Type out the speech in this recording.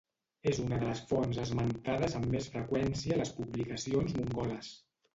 És una de les fonts esmentades amb més freqüència a les publicacions mongoles.